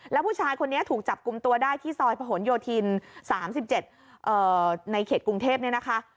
แล้วผู้ชายคนนี้ถูกจับกลุ่มตัวได้ที่ซอยผนโยธิน๓๗ในเขตกรุงเทพเนี่ยนะคะ